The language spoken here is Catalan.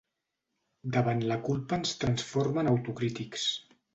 Davant la culpa ens transforma en autocrítics.